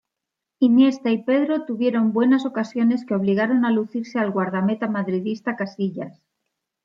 Iniesta y Pedro tuvieron buenas ocasiones que obligaron a lucirse al guardameta madridista Casillas.